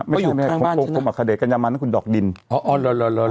ไม่ใช่ไม่ใช่โคมะขเดชกัญญามารนะคุณดอกดินอ๋ออ๋อหรอหรอหรอ